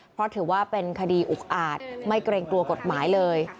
เพราะถือว่าเป็นคดีอุกอาจไม่เกรงกลัวกฎหมายเลย